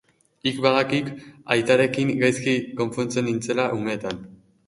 Hik badakik aitarekin gaizki konpontzen nintzela umetan.